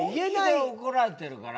本気で怒られてるから。